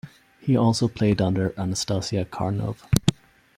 He also played under Anastasia Karnow.